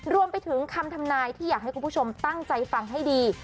รวมไปถึงคำทำนายที่อยากให้คุณผู้ชมตั้งใจฟังให้ดี